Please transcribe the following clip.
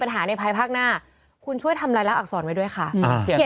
ทนายรัชพนธ์เลยบอกแบบนี้